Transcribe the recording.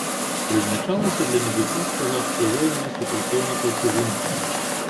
Прызначалася для медыцынскага абслугоўвання супрацоўнікаў чыгункі.